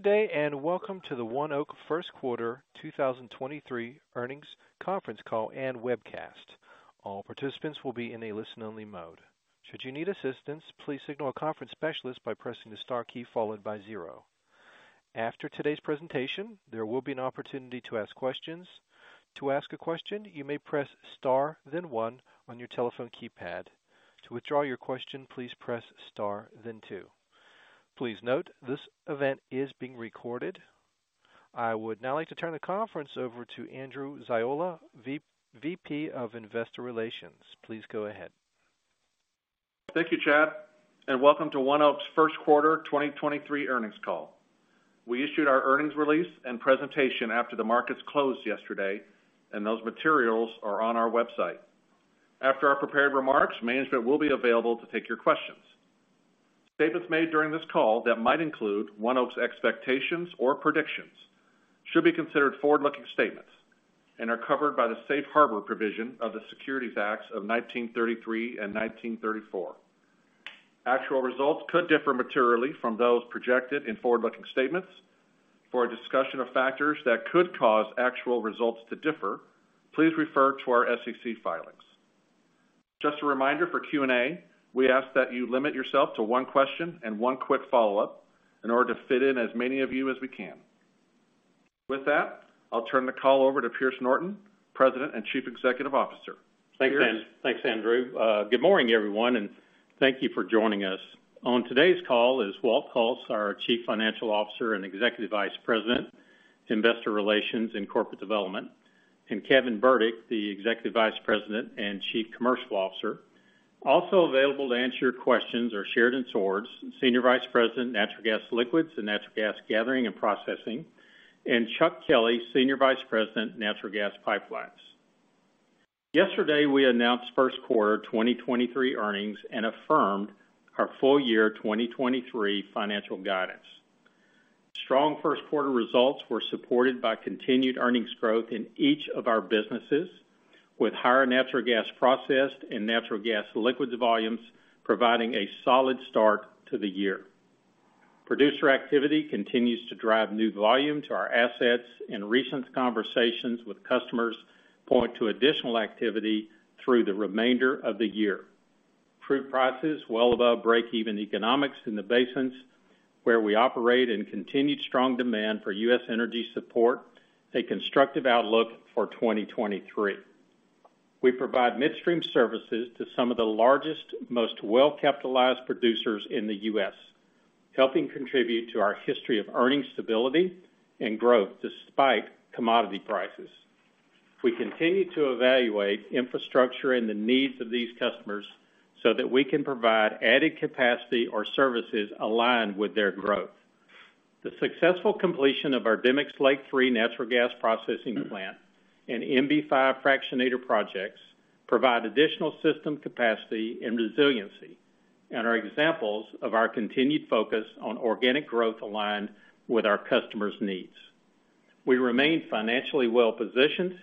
Good day, and welcome to the ONEOK Q1 2023 earnings conference call and webcast. All participants will be in a listen-only mode. Should you need assistance, please signal a conference specialist by pressing the star key followed by zero. After today's presentation, there will be an opportunity to ask questions. To ask a question, you may press Star, then one on your telephone keypad. To withdraw your question, please press Star, then two. Please note, this event is being recorded. I would now like to turn the conference over to Andrew Ziola, V-VP of Investor Relations. Please go ahead. Thank you, Chad, and welcome to ONEOK's Q1 2023 earnings call. We issued our earnings release and presentation after the markets closed yesterday, and those materials are on our website. After our prepared remarks, management will be available to take your questions. Statements made during this call that might include ONEOK's expectations or predictions should be considered forward-looking statements and are covered by the safe harbor provision of the Securities Acts of nineteen thirty-three and nineteen thirty-four. Actual results could differ materially from those projected in forward-looking statements. For a discussion of factors that could cause actual results to differ, please refer to our SEC filings. Just a reminder for Q&A, we ask that you limit yourself to one question and one quick follow-up in order to fit in as many of you as we can. With that, I'll turn the call over to Pierce Norton, President and Chief Executive Officer. Pierce? Thanks, Andrew. Good morning, everyone, and thank you for joining us. On today's call is Walt Hulse, our Chief Financial Officer and Executive Vice President, Investor Relations and Corporate Development, and Kevin Burdick, the Executive Vice President and Chief Commercial Officer. Also available to answer your questions are Sheridan Swords, Senior Vice President, Natural Gas Liquids and Natural Gas Gathering and Processing, and Chuck Kelley, Senior Vice President, Natural Gas Pipelines. Yesterday, we announced Q1 2023 earnings and affirmed our full year 2023 financial guidance. Strong Q1 results were supported by continued earnings growth in each of our businesses, with higher natural gas processed and natural gas liquids volumes providing a solid start to the year. Producer activity continues to drive new volume to our assets, and recent conversations with customers point to additional activity through the remainder of the year. Crude prices well above break-even economics in the basins where we operate and continued strong demand for U.S. energy support, a constructive outlook for 2023. We provide midstream services to some of the largest, most well-capitalized producers in the U.S., helping contribute to our history of earnings stability and growth despite commodity prices. We continue to evaluate infrastructure and the needs of these customers so that we can provide added capacity or services aligned with their growth. The successful completion of our Demicks Lake III natural gas processing plant and MB-5 fractionator projects provide additional system capacity and resiliency and are examples of our continued focus on organic growth aligned with our customers' needs. We remain financially well-positioned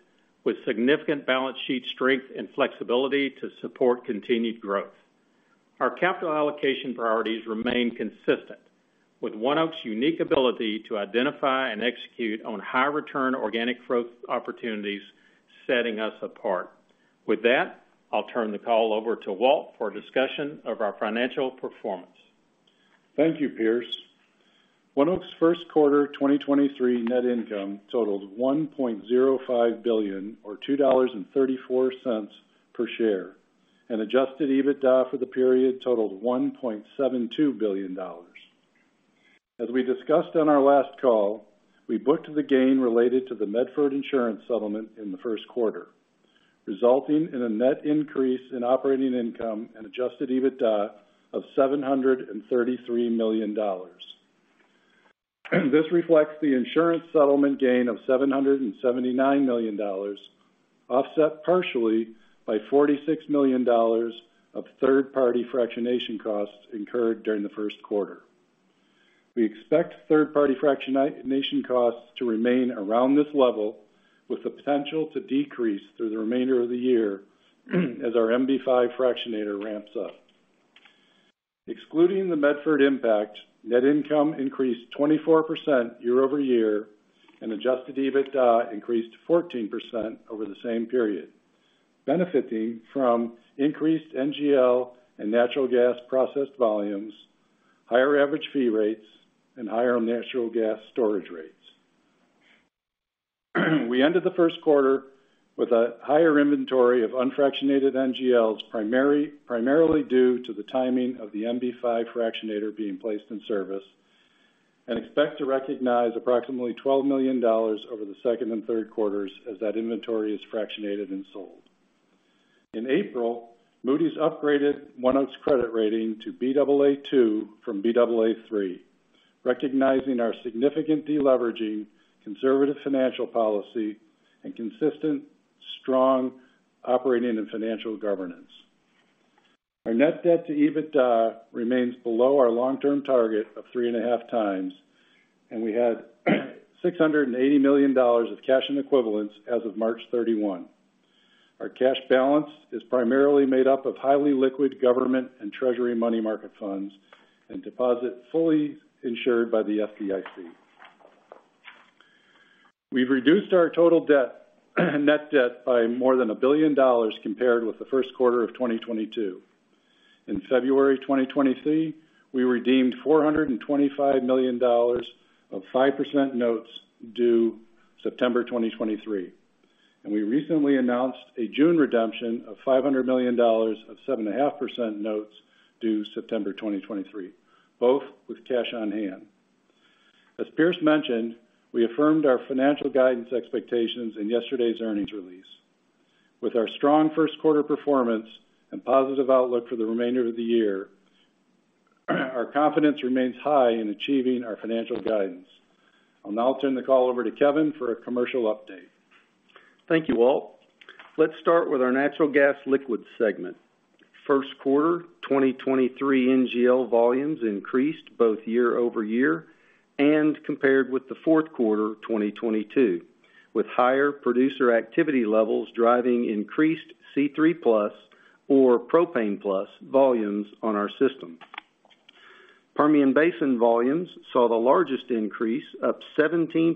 with significant balance sheet strength and flexibility to support continued growth. Our capital allocation priorities remain consistent, with ONEOK's unique ability to identify and execute on high-return organic growth opportunities setting us apart. With that, I'll turn the call over to Walt for a discussion of our financial performance. Thank you, Pierce. ONEOK's Q1 2023 net income totaled $1.05 billion, or $2.34 per share, and adjusted EBITDA for the period totaled $1.72 billion. As we discussed on our last call, we booked the gain related to the Medford insurance settlement in the Q1, resulting in a net increase in operating income and adjusted EBITDA of $733 million. This reflects the insurance settlement gain of $779 million, offset partially by $46 million of third-party fractionation costs incurred during the Q1. We expect third-party fractionation costs to remain around this level with the potential to decrease through the remainder of the year as our MB-5 fractionator ramps up. Excluding the Medford impact, net income increased 24% year-over-year, and adjusted EBITDA increased 14% over the same period, benefiting from increased NGL and natural gas processed volumes, higher average fee rates, and higher natural gas storage rates. We ended the Q1 with a higher inventory of unfractionated NGLs primarily due to the timing of the MB-5 fractionator being placed in service and expect to recognize approximately $12 million over the second and Q3s as that inventory is fractionated and sold. In April, Moody's upgraded ONEOK's credit rating to Baa2 from Baa3, recognizing our significant deleveraging, conservative financial policy, and consistent strong operating and financial governance. Our net debt to EBITDA remains below our long-term target of 3.5 times, and we had $680 million of cash and equivalents as of March 31. Our cash balance is primarily made up of highly liquid government and treasury money market funds and deposit fully insured by the FDIC. We've reduced our total debt, net debt by more than $1 billion compared with the Q1 of 2022. In February 2023, we redeemed $425 million of 5% notes due September 2023, and we recently announced a June redemption of $500 million of 7.5% notes due September 2023, both with cash on hand. As Pierce mentioned, we affirmed our financial guidance expectations in yesterday's earnings release. With our strong Q1 performance and positive outlook for the remainder of the year, our confidence remains high in achieving our financial guidance. I'll now turn the call over to Kevin for a commercial update. Thank you, Walt. Let's start with our natural gas liquids segment. Q1, 2023 NGL volumes increased both year-over-year and compared with the Q4 of 2022, with higher producer activity levels driving increased C3+ or propane plus volumes on our system. Permian Basin volumes saw the largest increase up 17%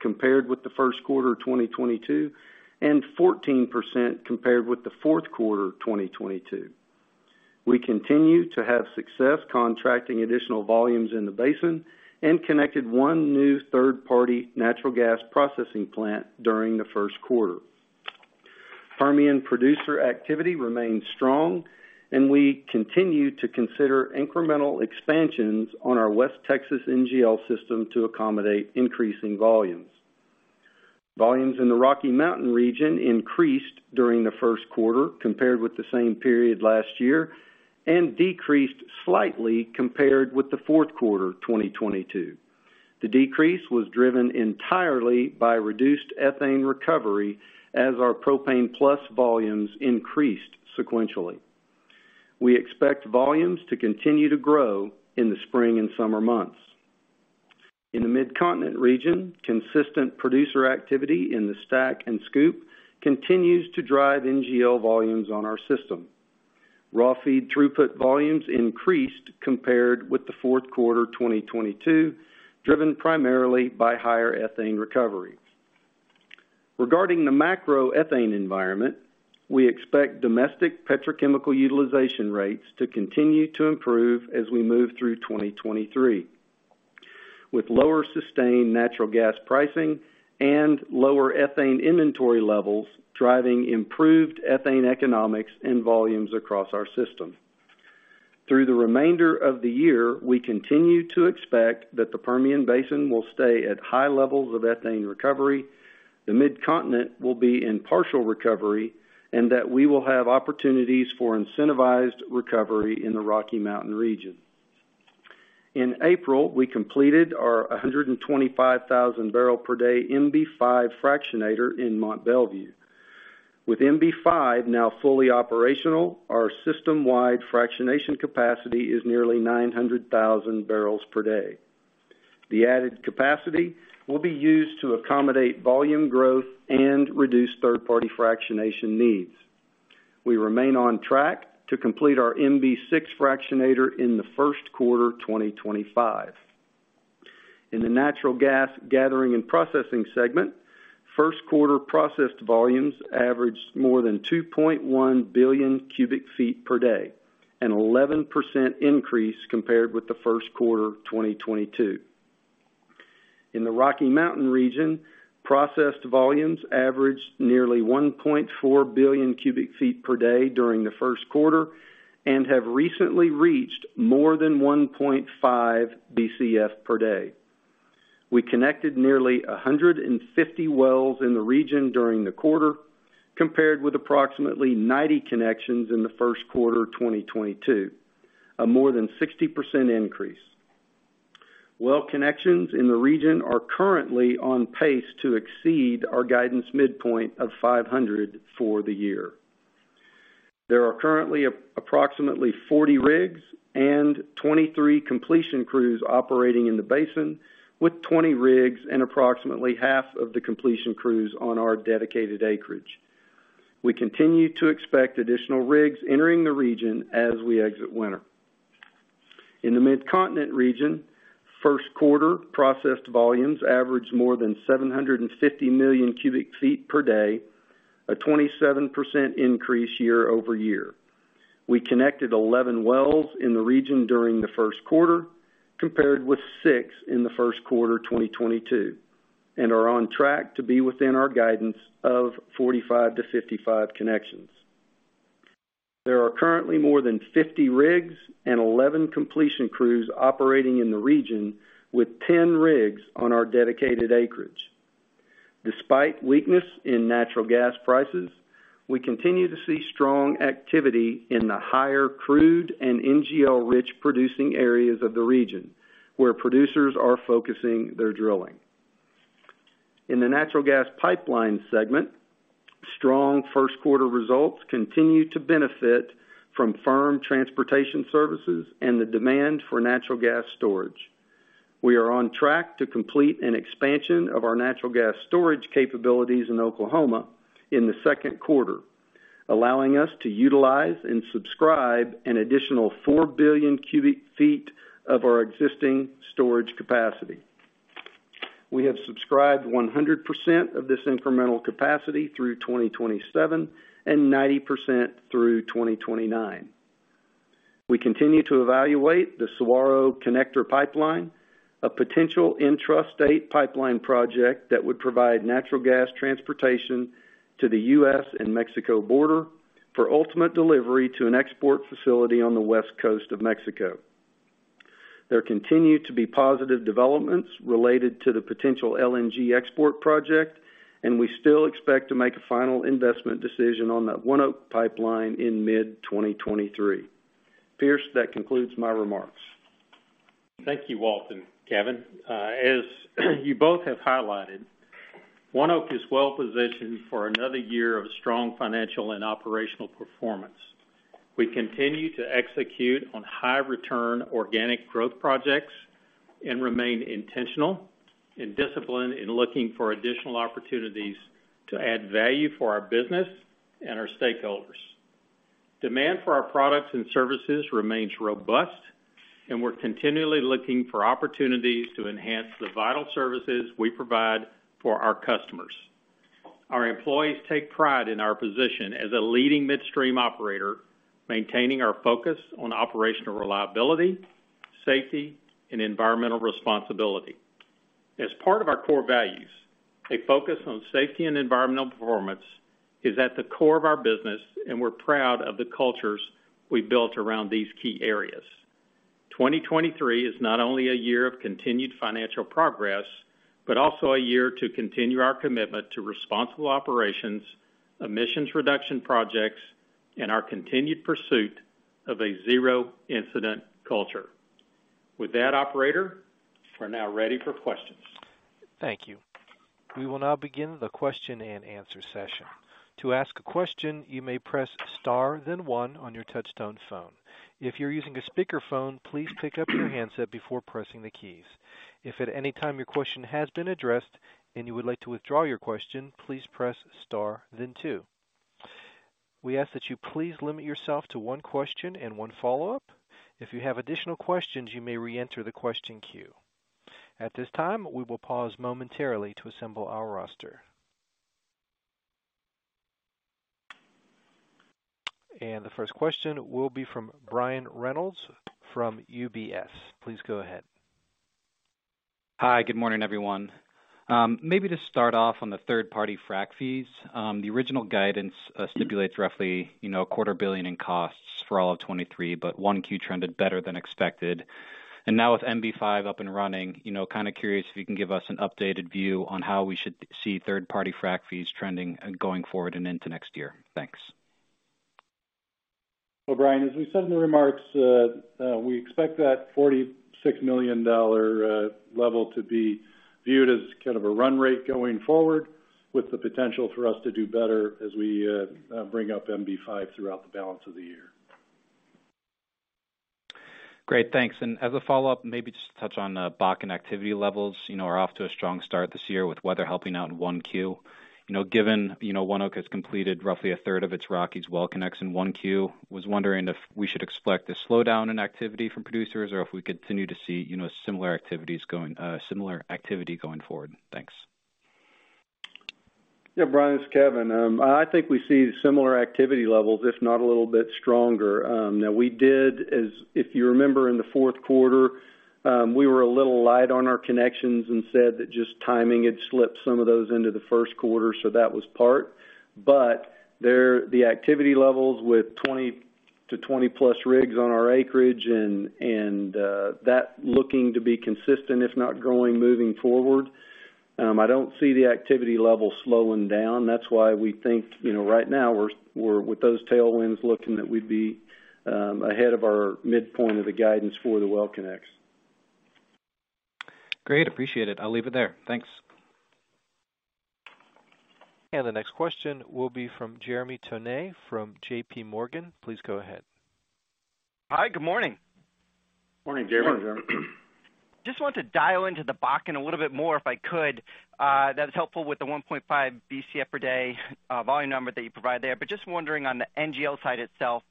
compared with the Q1 of 2022, and 14% compared with the Q4 of 2022. We continue to have success contracting additional volumes in the basin and connected one new third-party natural gas processing plant during the Q1. Permian producer activity remains strong and we continue to consider incremental expansions on our West Texas NGL system to accommodate increasing volumes. Volumes in the Rocky Mountain region increased during the Q1 compared with the same period last year, and decreased slightly compared with the Q4 of 2022. The decrease was driven entirely by reduced ethane recovery as our propane plus volumes increased sequentially. We expect volumes to continue to grow in the spring and summer months. In the Midcontinent region, consistent producer activity in the STACK and SCOOP continues to drive NGL volumes on our system. Raw feed throughput volumes increased compared with the Q4 of 2022, driven primarily by higher ethane recovery. Regarding the macroethane environment, we expect domestic petrochemical utilization rates to continue to improve as we move through 2023. With lower sustained natural gas pricing and lower ethane inventory levels driving improved ethane economics and volumes across our system. Through the remainder of the year, we continue to expect that the Permian Basin will stay at high levels of ethane recovery, the Midcontinent will be in partial recovery, and that we will have opportunities for incentivized recovery in the Rocky Mountain region. In April, we completed our 125,000 barrel per day MB-5 fractionator in Mont Belvieu. With MB-5 now fully operational, our system-wide fractionation capacity is nearly 900,000 barrels per day. The added capacity will be used to accommodate volume growth and reduce third-party fractionation needs. We remain on track to complete our MB-6 fractionator in the Q1 of 2025. In the natural gas gathering and processing segment, Q1 processed volumes averaged more than 2.1 billion cubic feet per day, an 11% increase compared with the Q1 of 2022. In the Rocky Mountain region, processed volumes averaged nearly 1.4 billion cubic feet per day during the Q1 and have recently reached more than 1.5 BCF per day. We connected nearly 150 wells in the region during the quarter, compared with approximately 90 connections in the Q1 of 2022, a more than 60% increase. Well connections in the region are currently on pace to exceed our guidance midpoint of 500 for the year. There are currently approximately 40 rigs and 23 completion crews operating in the basin with 20 rigs and approximately half of the completion crews on our dedicated acreage. We continue to expect additional rigs entering the region as we exit winter. In the Midcontinent region, Q1 processed volumes averaged more than 750 million cubic feet per day, a 27% increase year-over-year. We connected 11 wells in the region during the Q1, compared with six in the Q1 of 2022. Are on track to be within our guidance of 45-55 connections. There are currently more than 50 rigs and 11 completion crews operating in the region with 10 rigs on our dedicated acreage. Despite weakness in natural gas prices, we continue to see strong activity in the higher crude and NGL-rich producing areas of the region, where producers are focusing their drilling. In the natural gas pipeline segment, strong Q1 results continue to benefit from firm transportation services and the demand for natural gas storage. We are on track to complete an expansion of our natural gas storage capabilities in Oklahoma in the Q2, allowing us to utilize and subscribe an additional four billion cubic feet of our existing storage capacity. We have subscribed 100% of this incremental capacity through 2027 and 90% through 2029. We continue to evaluate the Saguaro Connector Pipeline, a potential intrastate pipeline project that would provide natural gas transportation to the U.S. and Mexico border for ultimate delivery to an export facility on the west coast of Mexico. There continue to be positive developments related to the potential LNG export project. We still expect to make a final investment decision on that ONEOK pipeline in mid-2023. Pierce, that concludes my remarks. Thank you, Walton, Kevin. As you both have highlighted, ONEOK is well-positioned for another year of strong financial and operational performance. We continue to execute on high return organic growth projects and remain intentional and disciplined in looking for additional opportunities to add value for our business and our stakeholders. Demand for our products and services remains robust. We're continually looking for opportunities to enhance the vital services we provide for our customers. Our employees take pride in our position as a leading midstream operator, maintaining our focus on operational reliability, safety, and environmental responsibility. As part of our core values, a focus on safety and environmental performance is at the core of our business. We're proud of the cultures we built around these key areas. 2023 is not only a year of continued financial progress, but also a year to continue our commitment to responsible operations, emissions reduction projects, and our continued pursuit of a zero-incident culture. With that, operator, we're now ready for questions. Thank you. We will now begin the question-and-answer session. To ask a question, you may press star then one on your touch tone phone. If you're using a speakerphone, please pick up your handset before pressing the keys. If at any time your question has been addressed and you would like to withdraw your question, please press star then two. We ask that you please limit yourself to one question and one follow-up. If you have additional questions, you may reenter the question queue. At this time, we will pause momentarily to assemble our roster. The first question will be from Brian Reynolds from UBS. Please go ahead. Hi. Good morning, everyone. Maybe to start off on the third-party frac fees. The original guidance stipulates roughly, you know, a quarter billion in costs for all of 2023, but Q1 trended better than expected. Now with MB-5 up and running, you know, kind of curious if you can give us an updated view on how we should see third-party frac fees trending going forward and into next year. Thanks. Brian, as we said in the remarks, we expect that $46 million level to be viewed as kind of a run rate going forward with the potential for us to do better as we bring up MB-5 throughout the balance of the year. Great. Thanks. As a follow-up, maybe just touch on the Bakken activity levels. You know, we're off to a strong start this year with weather helping out in 1Q. You know, given, you know, ONEOK has completed roughly a third of its Rockies Well Connects in 1Q, was wondering if we should expect a slowdown in activity from producers or if we continue to see, you know, similar activity going forward. Thanks. Brian, it's Kevin. I think we see similar activity levels, if not a little bit stronger. Now, if you remember in the Q4, we were a little light on our connections and said that just timing had slipped some of those into the Q1, so that was part. There, the activity levels with 20 to 20-plus rigs on our acreage and that looking to be consistent, if not growing, moving forward, I don't see the activity level slowing down. That's why we think, you know, right now we're with those tailwinds looking that we'd be ahead of our midpoint of the guidance for the Well Connects. Great. Appreciate it. I'll leave it there. Thanks. The next question will be from Jeremy Tonet from JP Morgan. Please go ahead. Hi. Good morning. Morning, Jeremy. Morning, Jeremy. Just want to dial into the Bakken a little bit more, if I could. That was helpful with the 1.5 Bcf per day, volume number that you provided there. Just wondering on the NGL side itself,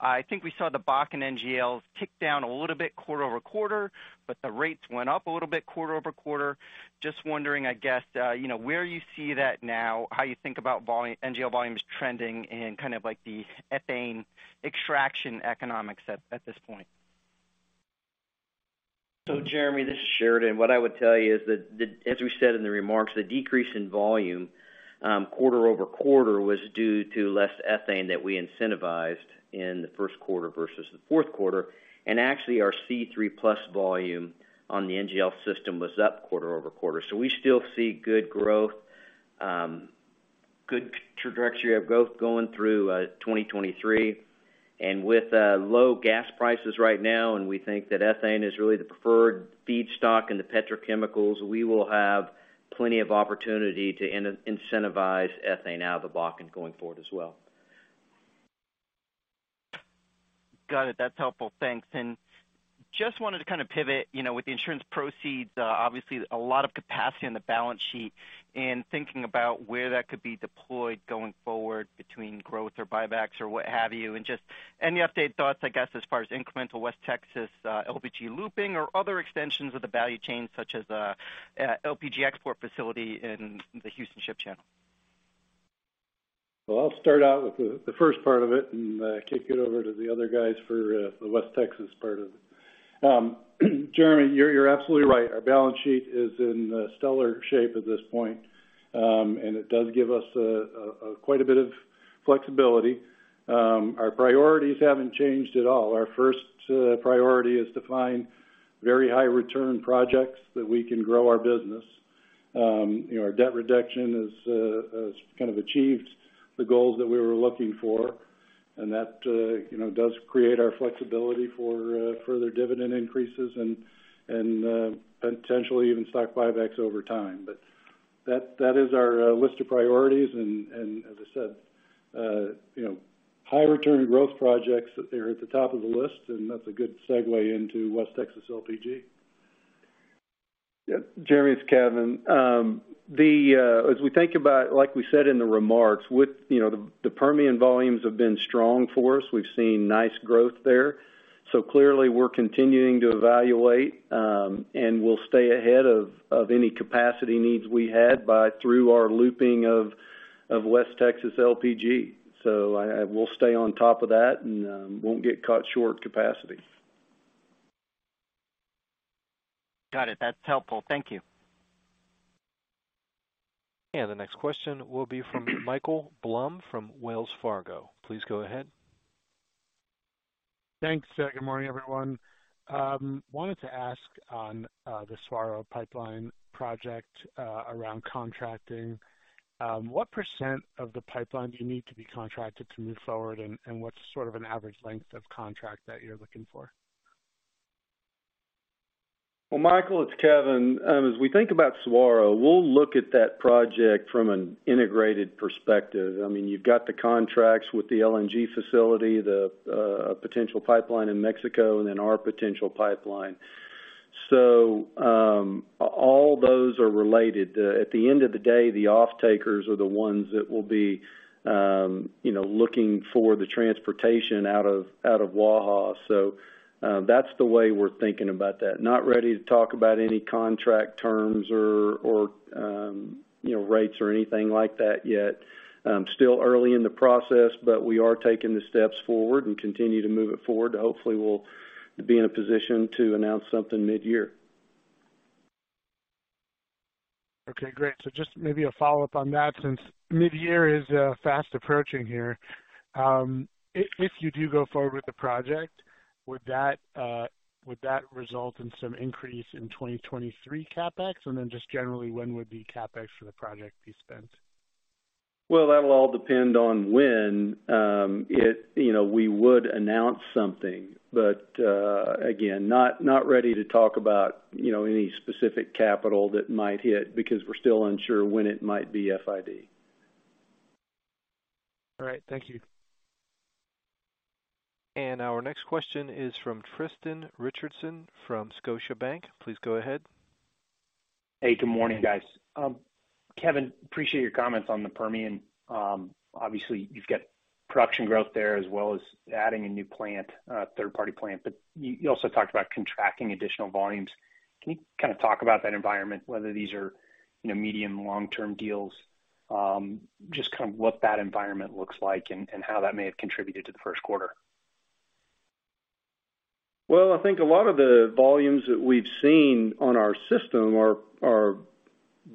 I think we saw the Bakken NGLs tick down a little bit quarter-over-quarter, but the rates went up a little bit quarter-over-quarter. Just wondering, I guess, you know, where you see that now, how you think about NGL volumes trending and kind of like the ethane extraction economics at this point? Jeremy, this is Sheridan. What I would tell you is that as we said in the remarks, the decrease in volume, quarter-over-quarter was due to less ethane that we incentivized in the Q1 versus the Q4. Actually, our C3+ volume on the NGL system was up quarter-over-quarter. We still see good growth, good trajectory of growth going through 2023. With low gas prices right now, and we think that ethane is really the preferred feedstock in the petrochemicals, we will have plenty of opportunity to incentivize ethane out of the Bakken going forward as well. Got it. That's helpful. Thanks. Just wanted to kind of pivot, you know, with the insurance proceeds, obviously a lot of capacity on the balance sheet and thinking about where that could be deployed going forward between growth or buybacks or what have you. Just any update, thoughts, I guess, as far as incremental West Texas LPG looping or other extensions of the value chain, such as LPG export facility in the Houston Ship Channel. I'll start out with the first part of it and kick it over to the other guys for the West Texas part of it. Jeremy, you're absolutely right. Our balance sheet is in stellar shape at this point. And it does give us quite a bit of flexibility. Our priorities haven't changed at all. Our first priority is to find very high return projects that we can grow our business. You know, our debt reduction is kind of achieved the goals that we were looking for, and that, you know, does create our flexibility for further dividend increases and potentially even stock buybacks over time. That is our list of priorities. As I said, you know, high return growth projects that they're at the top of the list, that's a good segue into West Texas LPG. Yeah, Jeremy, it's Kevin. As we think about, like we said in the remarks, with, you know, the Permian volumes have been strong for us. We've seen nice growth there. Clearly, we're continuing to evaluate, and we'll stay ahead of any capacity needs we had through our looping of West Texas LPG. We'll stay on top of that and won't get caught short capacity. Got it. That's helpful. Thank you. The next question will be from Michael Blum from Wells Fargo. Please go ahead. Thanks. good morning, everyone. wanted to ask on the Saguaro Pipeline project around contracting. What percent of the pipeline do you need to be contracted to move forward, and what's sort of an average length of contract that you're looking for? Well, Michael, it's Kevin. As we think about Saguaro, we'll look at that project from an integrated perspective. I mean, you've got the contracts with the LNG facility, the potential pipeline in Mexico, and then our potential pipeline. All those are related. At the end of the day, the offtakers are the ones that will be, you know, looking for the transportation out of, out of Waha. That's the way we're thinking about that. Not ready to talk about any contract terms or, you know, rates or anything like that yet. Still early in the process, but we are taking the steps forward and continue to move it forward, hopefully will be in a position to announce something mid-year. Okay, great. Just maybe a follow-up on that since mid-year is fast approaching here. If you do go forward with the project, would that result in some increase in 2023 CapEx? Just generally, when would the CapEx for the project be spent? That'll all depend on when, you know, we would announce something. Again, not ready to talk about, you know, any specific capital that might hit because we're still unsure when it might be FID. All right. Thank you. Our next question is from Tristan Richardson from Scotiabank. Please go ahead. Hey, good morning, guys. Kevin, appreciate your comments on the Permian. Obviously, you've got production growth there as well as adding a new plant, third-party plant. You also talked about contracting additional volumes. Can you kind of talk about that environment, whether these are, you know, medium, long-term deals, just kind of what that environment looks like and how that may have contributed to the Q1? I think a lot of the volumes that we've seen on our system are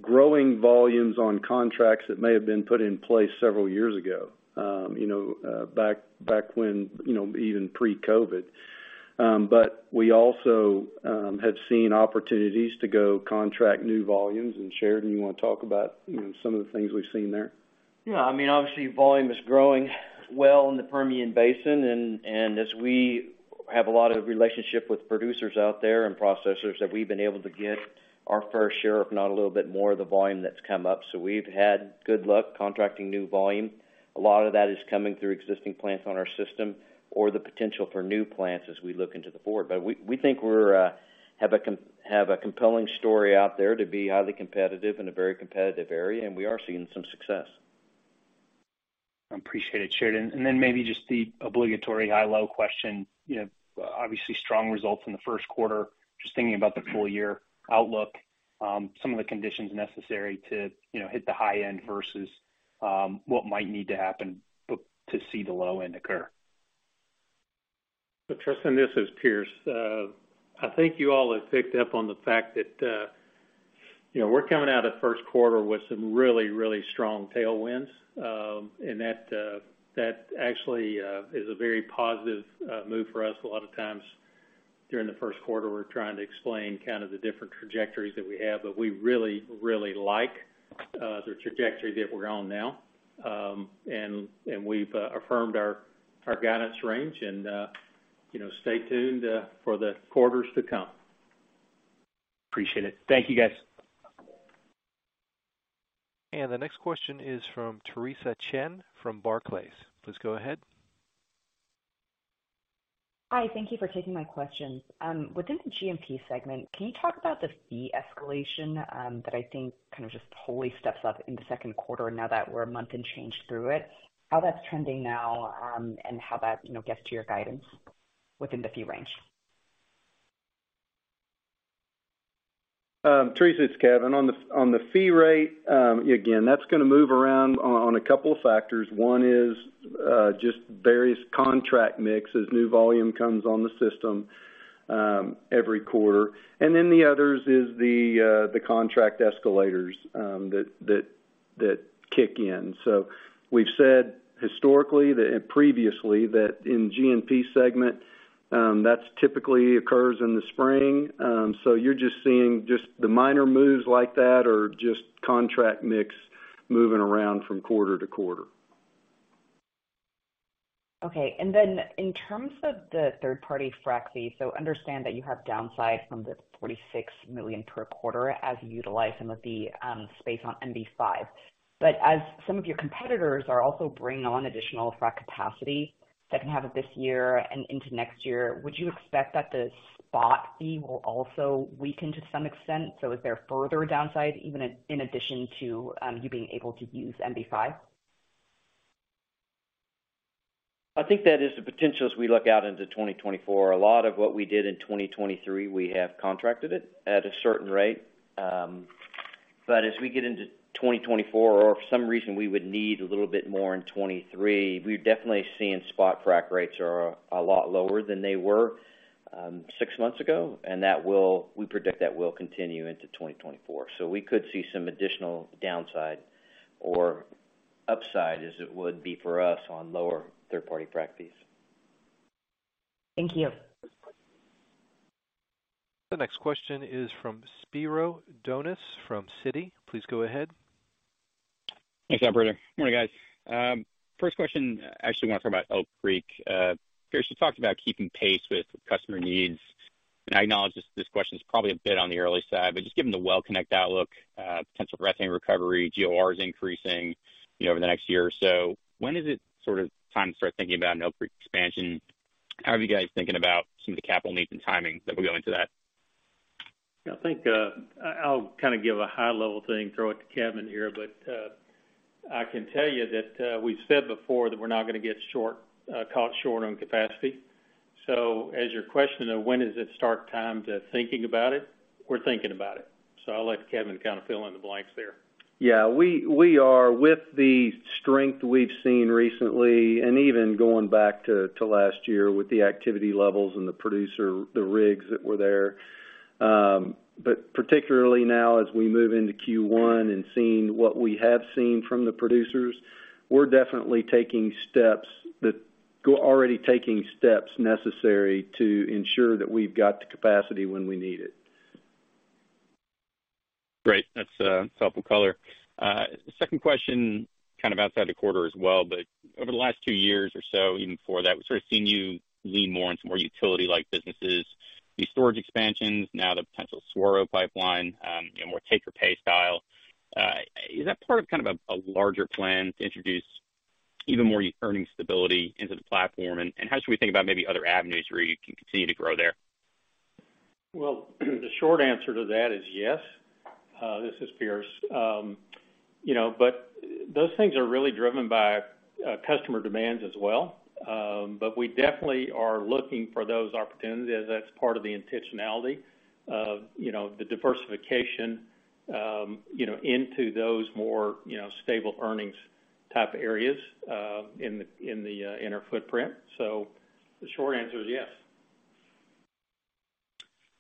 growing volumes on contracts that may have been put in place several years ago, you know, back when, you know, even pre-COVID. We also have seen opportunities to go contract new volumes. Sheridan, you wanna talk about, you know, some of the things we've seen there? Yeah. I mean, obviously, volume is growing well in the Permian Basin. As we have a lot of relationship with producers out there and processors, that we've been able to get our fair share, if not a little bit more of the volume that's come up. We've had good luck contracting new volume. A lot of that is coming through existing plants on our system or the potential for new plants as we look into the forward. We think we have a compelling story out there to be highly competitive in a very competitive area, and we are seeing some success. I appreciate it, Sheridan. Then maybe just the obligatory high-low question. You know, obviously strong results in the Q1. Just thinking about the full year outlook, some of the conditions necessary to, you know, hit the high end versus what might need to happen to see the low end occur. Tristan, this is Pierce. I think you all have picked up on the fact that, you know, we're coming out of Q1 with some really, really strong tailwinds. That actually, is a very positive, move for us. A lot of times during the Q1, we're trying to explain kind of the different trajectories that we have, but we really, really like, the trajectory that we're on now. We've, affirmed our guidance range and, you know, stay tuned, for the quarters to come. Appreciate it. Thank you, guys. The next question is from Theresa Chen from Barclays. Please go ahead. Hi. Thank you for taking my questions. Within the GNP segment, can you talk about the fee escalation that I think kind of just totally steps up in the Q2 now that we're a month and change through it, how that's trending now, and how that, you know, gets to your guidance within the fee range? Theresa, it's Kevin. On the fee rate, again, that's gonna move around on a couple of factors. One is just various contract mix as new volume comes on the system every quarter. Then the others is the contract escalators that kick in. We've said historically previously that in GNP segment, that's typically occurs in the spring. You're just seeing just the minor moves like that or just contract mix moving around from quarter to quarter. Okay. Then in terms of the third-party frac fee, understand that you have downside from the $46 million per quarter as you utilize some of the space on MB-5. As some of your competitors are also bringing on additional frac capacity, second half of this year and into next year, would you expect that the spot fee will also weaken to some extent? Is there further downside even in addition to, you being able to use MB-5? I think that is the potential as we look out into 2024. A lot of what we did in 2023, we have contracted it at a certain rate. As we get into 2024 or for some reason we would need a little bit more in 2023, we've definitely seen spot frac rates are a lot lower than they were six months ago, and we predict that will continue into 2024. We could see some additional downside or upside as it would be for us on lower third-party frac fees. Thank you. The next question is from Spiro Dounis from Citi. Please go ahead. Thanks, Operator. Morning, guys. First question, actually wanna talk about Elk Creek. Pierce, you talked about keeping pace with customer needs. I acknowledge this question is probably a bit on the early side, but just given the Well Connect outlook, potential methane recovery, GOR is increasing, you know, over the next year or so, when is it sort of time to start thinking about an Elk Creek expansion? How are you guys thinking about some of the capital needs and timing that will go into that? I think, I'll kind of give a high-level thing, throw it to Kevin here. I can tell you that, we've said before that we're not gonna get short, caught short on capacity. As your question of when does it start time to thinking about it, we're thinking about it. I'll let Kevin kind of fill in the blanks there. Yeah. We are. With the strength we've seen recently, and even going back to last year with the activity levels and the producer, the rigs that were there, but particularly now as we move into Q1 and seeing what we have seen from the producers, we're definitely taking steps. We're already taking steps necessary to ensure that we've got the capacity when we need it. Great. That's helpful color. Second question, kind of outside the quarter as well, but over the last two years or so, even before that, we've sort of seen you lean more into more utility-like businesses, the storage expansions, now the potential Saguaro pipeline, you know, more take-or-pay style. Is that part of kind of a larger plan to introduce even more earnings stability into the platform? How should we think about maybe other avenues where you can continue to grow there? Well, the short answer to that is yes. This is Pierce. You know, those things are really driven by customer demands as well. We definitely are looking for those opportunities as that's part of the intentionality of, you know, the diversification, you know, into those more, you know, stable earnings type areas, in the, in our footprint. The short answer is yes.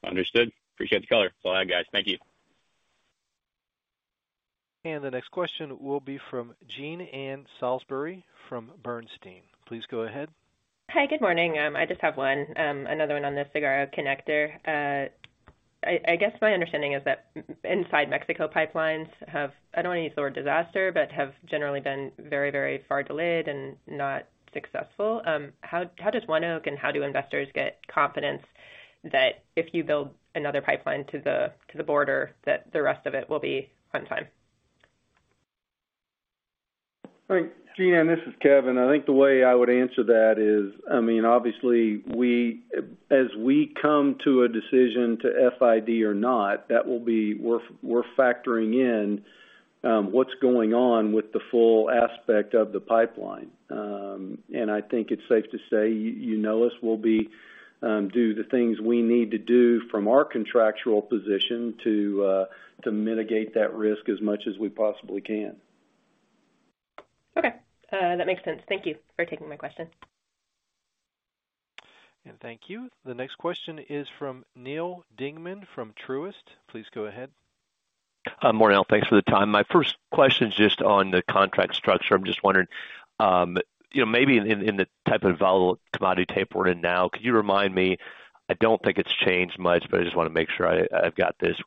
Understood. Appreciate the color. That's all I had, guys. Thank you. The next question will be from Jean Ann Salisbury from Bernstein. Please go ahead. Hi. Good morning. I just have one, another one on the Saguaro Connector. I guess my understanding is that inside Mexico pipelines have, I don't want to use the word disaster but have generally been very far delayed and not successful. How does ONEOK and how do investors get confidence that if you build another pipeline to the border, that the rest of it will be on time? All right. Jean Ann, this is Kevin. I think the way I would answer that is, I mean, obviously, as we come to a decision to FID or not, that will be we're factoring in what's going on with the full aspect of the pipeline. I think it's safe to say, you know us, we'll be do the things we need to do from our contractual position to mitigate that risk as much as we possibly can. Okay. That makes sense. Thank you for taking my question. Thank you. The next question is from Neal Dingman from Truist. Please go ahead. Hi, morning. Thanks for the time. My first question is just on the contract structure. I'm just wondering, you know, maybe in the type of volatile commodity tape we're in now, could you remind me, I don't think it's changed much, but I just wanna make sure I've got this,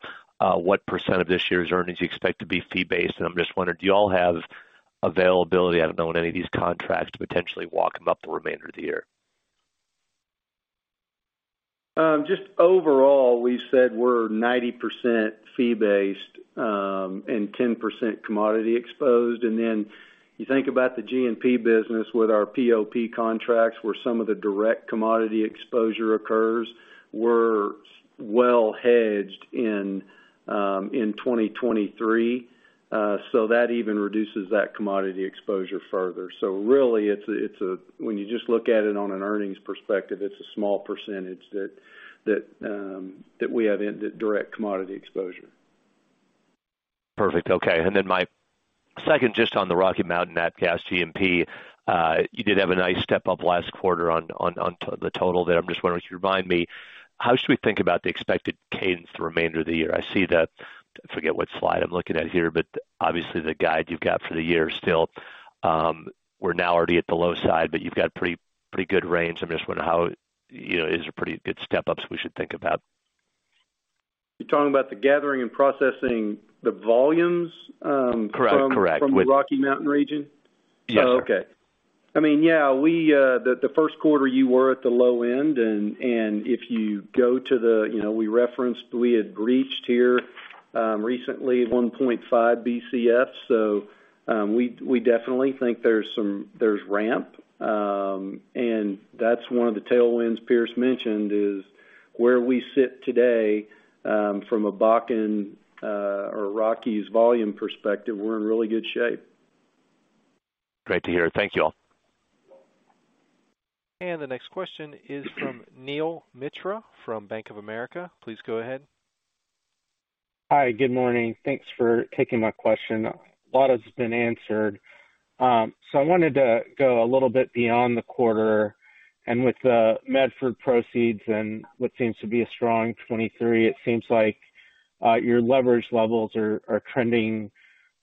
what % of this year's earnings you expect to be fee-based? I'm just wondering, do you all have availability, I don't know, in any of these contracts to potentially walk them up the remainder of the year? Just overall, we've said we're 90% fee-based, and 10% commodity exposed. Then you think about the GNP business with our POP contracts, where some of the direct commodity exposure occurs. We're well hedged in 2023. That even reduces that commodity exposure further. Really it's a when you just look at it on an earnings perspective, it's a small percentage that we have in direct commodity exposure. Perfect. Okay. Then my second just on the Rocky Mountain Nat Gas G&P, you did have a nice step up last quarter on the total there. I'm just wondering if you remind me, how should we think about the expected cadence the remainder of the year? I see that I forget what slide I'm looking at here. Obviously the guide you've got for the year still. We're now already at the low side. You've got pretty good range. I'm just wondering how, you know, is there pretty good step-ups we should think about? You're talking about the gathering and processing the volumes. Correct. Correct. From Rocky Mountain region? Yes, sir. Oh, okay. I mean, yeah, we, the Q1 you were at the low end and if you go to the you know, we referenced we had breached here recently 1.5 BCF, so we definitely think there's ramp. That's one of the tailwinds Pierce mentioned is where we sit today, from a Bakken or Rockies volume perspective, we're in really good shape. Great to hear. Thank you all. The next question is from Neel Mitra from Bank of America. Please go ahead. Hi. Good morning. Thanks for taking my question. A lot has been answered. I wanted to go a little bit beyond the quarter and with the Medford proceeds and what seems to be a strong 2023, it seems like your leverage levels are trending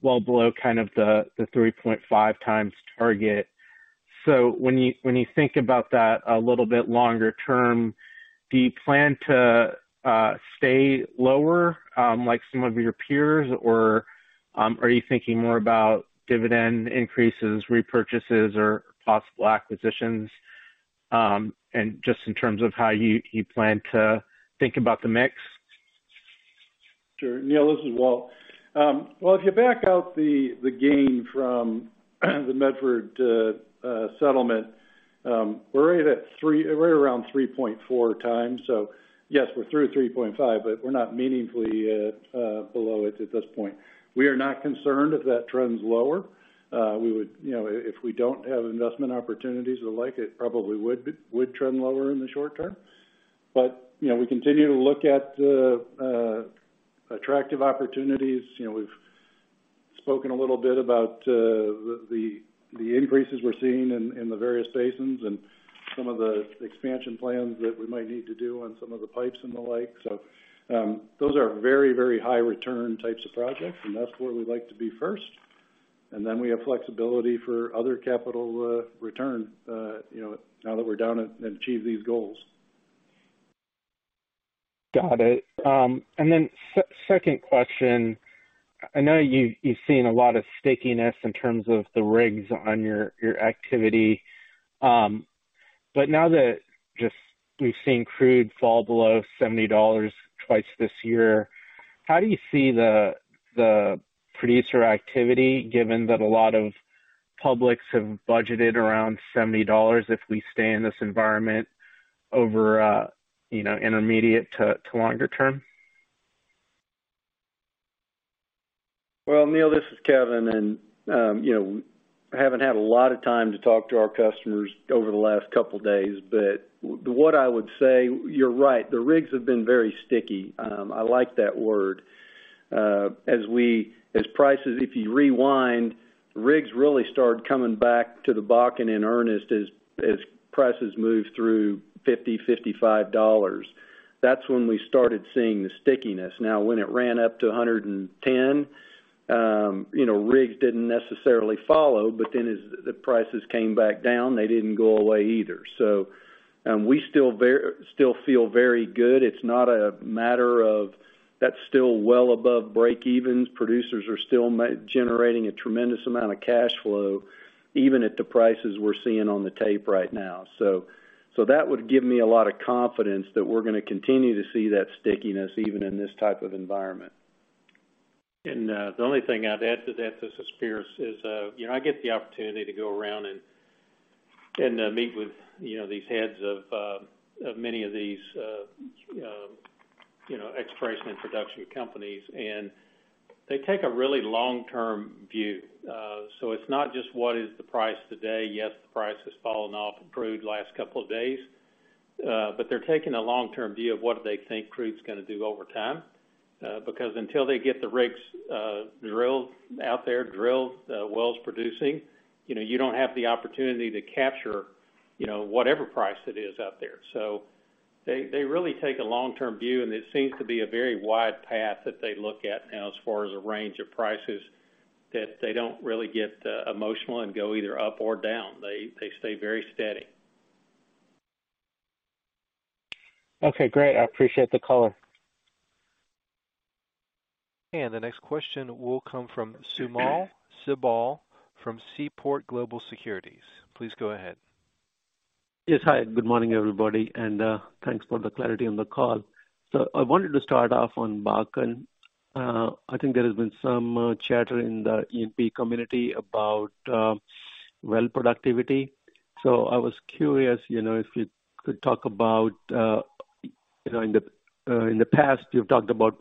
well below kind of the 3.5 times target. When you think about that a little bit longer term, do you plan to stay lower like some of your peers, or are you thinking more about dividend increases, repurchases, or possible acquisitions? Just in terms of how you plan to think about the mix. Sure. Neal, this is Walt. Well, if you back out the gain from the Medford settlement, we're around 3.4 times. Yes, we're through 3.5, but we're not meaningfully below it at this point. We are not concerned if that trends lower. You know, if we don't have investment opportunities or the like, it probably would trend lower in the short term. You know, we continue to look at attractive opportunities. You know, we've spoken a little bit about the increases we're seeing in the various basins and some of the expansion plans that we might need to do on some of the pipes and the like. Those are very, very high return types of projects, and that's where we like to be first. We have flexibility for other capital, return, you know, now that we're done and achieve these goals. Got it. Then second question. I know you've seen a lot of stickiness in terms of the rigs on your activity. Now that just we've seen crude fall below $70 twice this year, how do you see the producer activity given that a lot of publics have budgeted around $70 if we stay in this environment over, you know, intermediate to longer term? Well, Neal, this is Kevin, you know, I haven't had a lot of time to talk to our customers over the last couple days, but what I would say, you're right, the rigs have been very sticky. I like that word. As prices, if you rewind, rigs really started coming back to the Bakken in earnest as prices moved through $50-$55. That's when we started seeing the stickiness. Now, when it ran up to $110, you know, rigs didn't necessarily follow, but then as the prices came back down, they didn't go away either. We still feel very good. It's not a matter of that's still well above break evens. Producers are still generating a tremendous amount of cash flow, even at the prices we're seeing on the tape right now. That would give me a lot of confidence that we're gonna continue to see that stickiness even in this type of environment. The only thing I'd add to that, this is Pierce, is, you know, I get the opportunity to go around and, meet with, you know, these heads of many of these, you know, Exploration and Production companies, and they take a really long-term view. It's not just what is the price today. Yes, the price has fallen off crude last couple of days, but they're taking a long-term view of what do they think crude's gonna do over time. Until they get the rigs, drilled out there, drill, wells producing, you know, you don't have the opportunity to capture, you know, whatever price it is out there. They really take a long-term view, and it seems to be a very wide path that they look at now as far as a range of prices that they don't really get emotional and go either up or down. They stay very steady. Okay, great. I appreciate the call. The next question will come from Sunil Sibal from Seaport Global Securities. Please go ahead. Yes. Hi, good morning, everybody, and thanks for the clarity on the call. I wanted to start off on Bakken. I think there has been some chatter in the E&P community about well productivity. I was curious, you know, if you could talk about, you know, in the past, you've talked about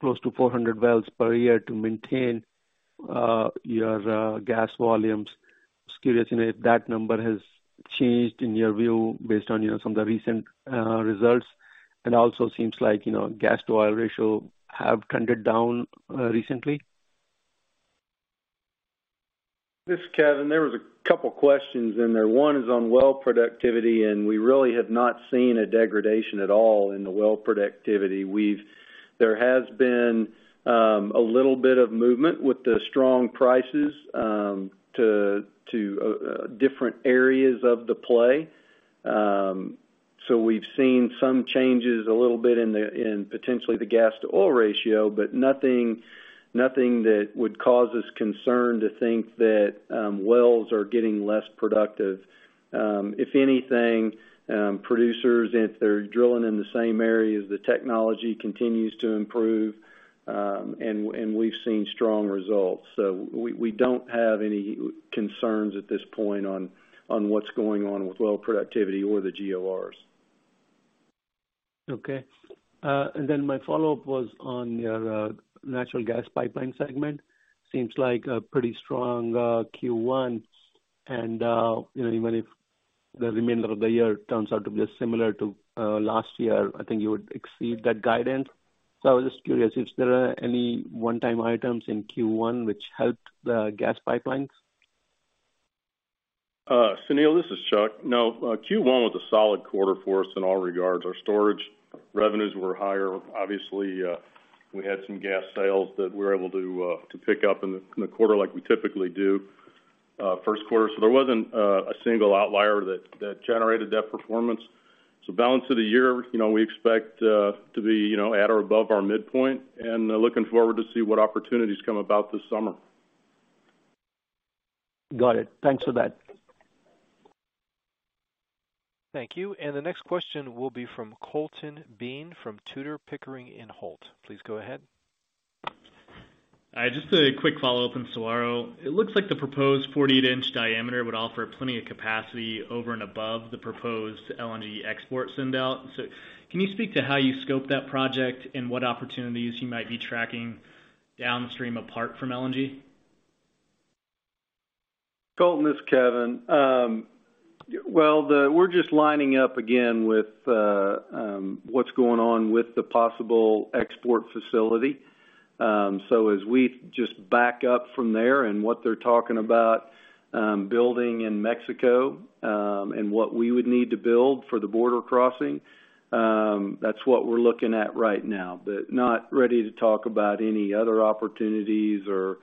close to 400 wells per year to maintain your gas volumes. Just curious, you know, if that number has changed in your view based on, you know, some of the recent results. Also seems like, you know, gas-to-oil ratio have trended down recently. This is Kevin. There was a couple questions in there. One is on well productivity. We really have not seen a degradation at all in the well productivity. There has been a little bit of movement with the strong prices to different areas of the play. We've seen some changes a little bit in potentially the gas-to-oil ratio, but nothing that would cause us concern to think that wells are getting less productive. If anything, producers, if they're drilling in the same areas, the technology continues to improve, and we've seen strong results. We don't have any concerns at this point on what's going on with well productivity or the GORs. Okay. My follow-up was on your natural gas pipeline segment. Seems like a pretty strong Q1, and, you know, even if the remainder of the year turns out to be similar to last year, I think you would exceed that guidance. I was just curious if there are any one-time items in Q1 which helped the gas pipelines. Sunil, this is Chuck. No, Q1 was a solid quarter for us in all regards. Our storage revenues were higher. Obviously, we had some gas sales that we were able to pick up in the quarter like we typically do, Q1. There wasn't a single outlier that generated that performance. Balance of the year, you know, we expect, to be, you know, at or above our midpoint, and looking forward to see what opportunities come about this summer. Got it. Thanks for that. Thank you. The next question will be from Colton Bean from Tudor, Pickering, Holt & Co. Please go ahead. Just a quick follow-up on Saguaro. It looks like the proposed 48 inch diameter would offer plenty of capacity over and above the proposed LNG export sendout. Can you speak to how you scoped that project and what opportunities you might be tracking downstream, apart from LNG? Colton, this is Kevin. Well, we're just lining up again with what's going on with the possible export facility. As we just back up from there and what they're talking about building in Mexico and what we would need to build for the border crossing, that's what we're looking at right now. Not ready to talk about any other opportunities or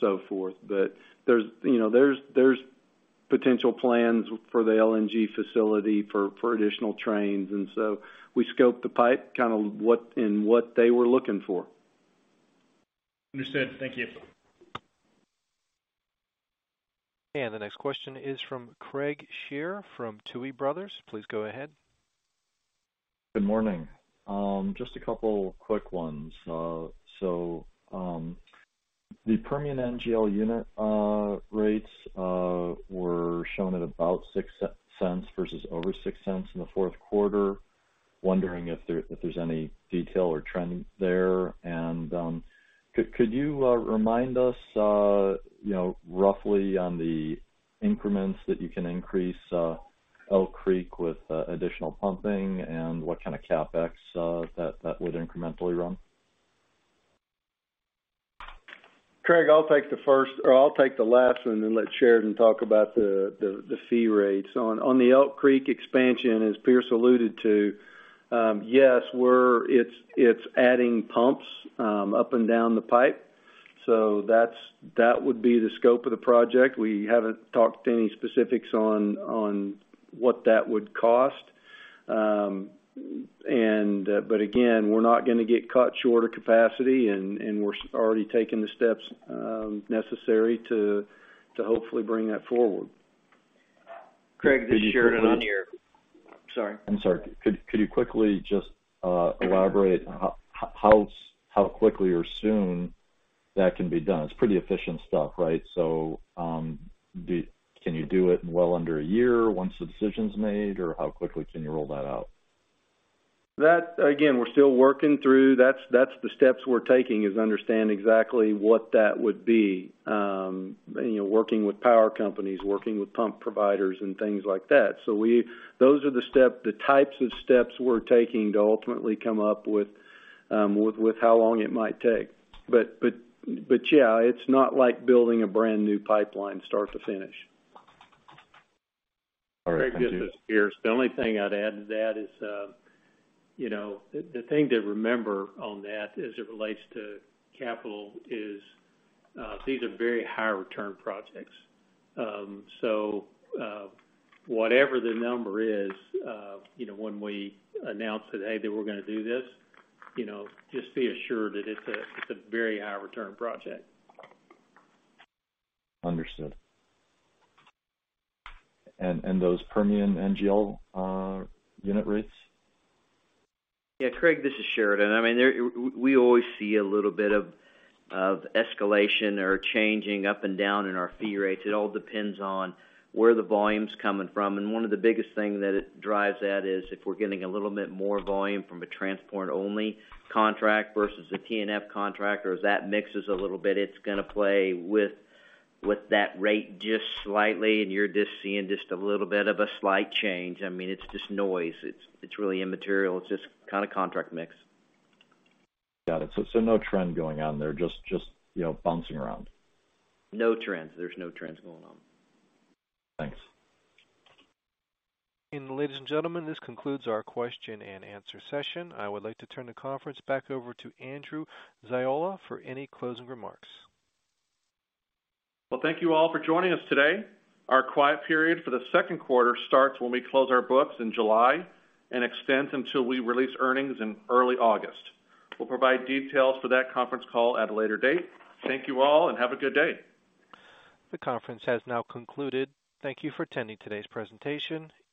so forth. There's, you know, potential plans for the LNG facility for additional trains. We scoped the pipe kind of in what they were looking for. Understood. Thank you. The next question is from Craig Shere from Tuohy Brothers. Please go ahead. Good morning. Just a couple quick ones. The Permian NGL unit rates were shown at about $0.06 versus over $0.06 in the Q4. Wondering if there's any detail or trend there. Could you remind us, you know, roughly on the increments that you can increase Elk Creek with additional pumping and what kind of CapEx that would incrementally run? Craig, I'll take the first or I'll take the last one and let Sheridan talk about the fee rates. On the Elk Creek expansion, as Pierce alluded to, yes, it's adding pumps up and down the pipe. That would be the scope of the project. We haven't talked any specifics on what that would cost. Again, we're not gonna get caught short of capacity and already taking the steps necessary to hopefully bring that forward. Craig, this is Sheridan on here. Sorry. I'm sorry. Could you quickly just elaborate how quickly or soon that can be done? It's pretty efficient stuff, right? Can you do it in well under a year once the decision's made, or how quickly can you roll that out? That, again, we're still working through. That's the steps we're taking, is understand exactly what that would be. You know, working with power companies, working with pump providers, and things like that. Those are the types of steps we're taking to ultimately come up with how long it might take. Yeah, it's not like building a brand-new pipeline start to finish. All right. Thank you. Craig, this is Pierce. The only thing I'd add to that is, you know, the thing to remember on that as it relates to capital is, these are very high return projects. Whatever the number is, you know, when we announce that, "Hey, that we're gonna do this," you know, just be assured that it's a, it's a very high return project. Understood. Those Permian NGL unit rates? Yeah. Craig, this is Sheridan. I mean, we always see a little bit of escalation or changing up and down in our fee rates. It all depends on where the volume's coming from. One of the biggest thing that it drives at is if we're getting a little bit more volume from a transport-only contract versus a TNF contract or as that mixes a little bit, it's gonna play with that rate just slightly and you're just seeing just a little bit of a slight change. I mean, it's just noise. It's really immaterial. It's just kind of contract mix. Got it. No trend going on there. Just, you know, bouncing around. No trends. There's no trends going on. Thanks. Ladies and gentlemen, this concludes our question and answer session. I would like to turn the conference back over to Andrew Ziola for any closing remarks. Well, thank you all for joining us today. Our quiet period for the Q2 starts when we close our books in July and extends until we release earnings in early August. We'll provide details for that conference call at a later date. Thank you all, and have a good day. The conference has now concluded. Thank you for attending today's presentation. You may.